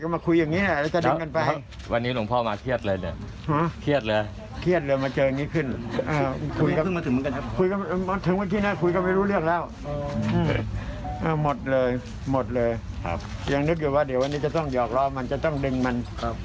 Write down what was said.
ไม่รู้เรื่องแล้วหมดเลยหมดเลยยังนึกอยู่ว่าเดี๋ยววันนี้จะต้องหยอกล้อมันจะต้องดึงมัน